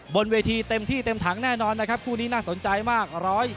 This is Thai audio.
บนเวทีเต็มที่เต็มถังแน่นอนนะครับคู่นี้น่าสนใจมาก